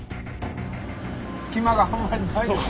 隙間があんまりないんですよね。